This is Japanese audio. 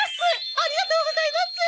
ありがとうございます！